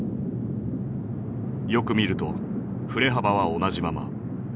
よく見ると振れ幅は同じまま。